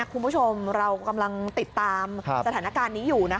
คุณผู้ชมเรากำลังติดตามสถานการณ์นี้อยู่